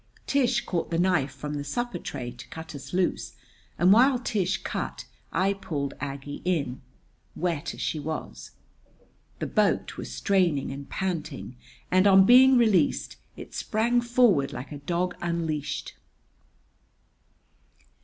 Tish caught the knife from the supper tray to cut us loose, and while Tish cut I pulled Aggie in, wet as she was. The boat was straining and panting, and, on being released, it sprang forward like a dog unleashed.